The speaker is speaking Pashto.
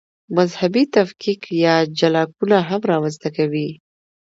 مذهبي تفکیک یا جلاکونه هم رامنځته کوي.